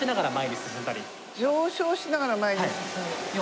上昇しながら前に進む。